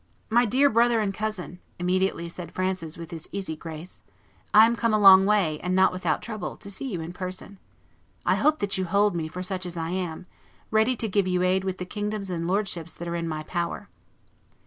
"My dear brother and cousin," immediately said Francis with his easy grace, "I am come a long way, and not without trouble, to see you in person. I hope that you hold me for such as I am, ready to give you aid with the kingdoms and lordships that are in my power."